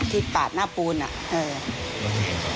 อยู่ที่ปากหน้าปูนอะเอ่อพูดจริงครับอ่า